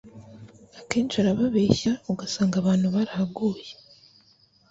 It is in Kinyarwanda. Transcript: akenshi arababeshya ugasanga abantu barahaguye